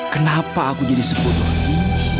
kenapa aku jadi seperti ini